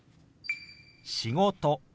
「仕事」。